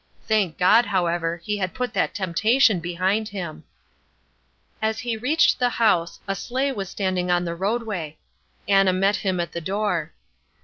Thank God, however, he had put that temptation behind him. As he reached the house a sleigh was standing on the roadway. Anna met him at the door.